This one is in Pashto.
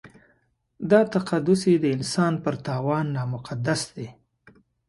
دا تقدس یې د انسان پر تاوان نامقدس دی.